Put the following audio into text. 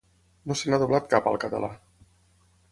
No se n'ha doblat cap al català.